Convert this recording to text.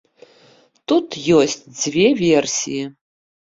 Тут ёсць дзве версіі.